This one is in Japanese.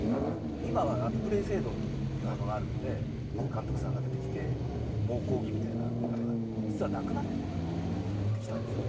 今はリプレイ制度というものがあるので、監督さんが出てきて猛抗議みたいなことが実はなくなってきたんですよね。